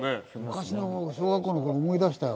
昔の小学校の頃を思い出したよ。